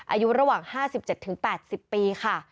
อายุระหว่าง๕๗๘๐ปีค่ะ